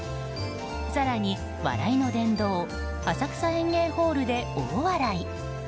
更に笑いの殿堂浅草演芸ホールで大笑い。